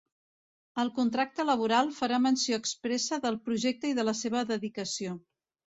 El contracte laboral farà menció expressa del projecte i de la seva dedicació.